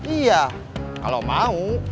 iya kalau mau